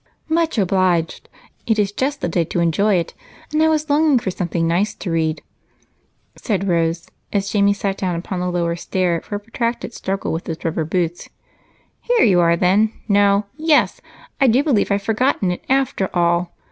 "Much obliged it is just the day to enjoy it and I was longing for something nice to read," said Rose as Jamie sat down upon the lower stair for a protracted struggle with his rubber boots. "Here you are, then no yes I do believe I've forgotten it, after all!"